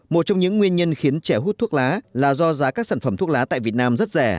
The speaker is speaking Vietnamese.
một trong những nguyên nhân khiến trẻ hút thuốc lá là do giá các sản phẩm thuốc lá tại việt nam rất rẻ